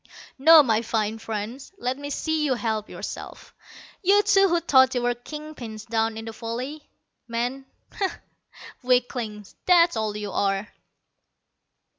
No, my fine friends, let me see you help yourselves, you two who thought you were king pins down in the valley. Men? Bah! Weaklings, that's all you are!"